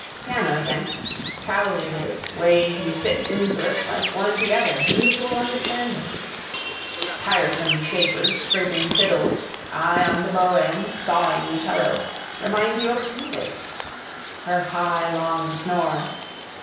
Piano again. Cowley it is. Way he sits in to it, like one together, mutual understanding. Tiresome shapers scraping fiddles, eye on the bowend, sawing the cello, remind you of toothache. Her high long snore.